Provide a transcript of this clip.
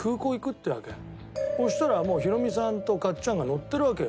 そうしたらヒロミさんとかっちゃんが乗ってるわけよ。